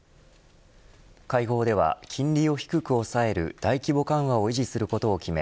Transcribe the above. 会合では、金利を低く抑える大規模緩和を維持することを決め